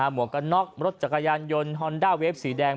หวกกันน็อกรถจักรยานยนต์ฮอนด้าเวฟสีแดง